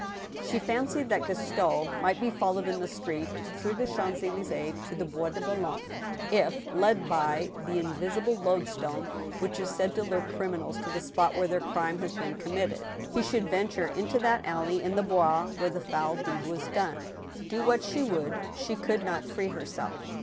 She fancied that Gaston might be followed in the street, through the> Champs Elys^es, to the Bois de Boulogne, if, led by the in visible loadstone which is said to lure criminals to the spot where their crime has been committed, he should venture into that alley in the Bois where the foul deed was done. Do what she would, she could not free herself.